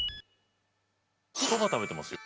そば食べてますよ。